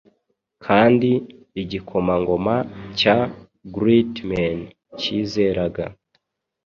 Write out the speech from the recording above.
Kandi igikomangoma cya Geatmen cyizeraga